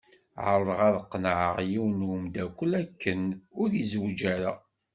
Ԑerḍeɣ ad qennεeɣ yiwen n wemdakel akken ur izewweǧ ara.